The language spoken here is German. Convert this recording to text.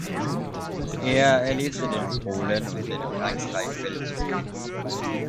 Er erlebte den Polen- und den Frankreichfeldzug mit.